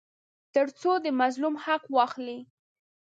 تر څو د مظلوم حق واخلي.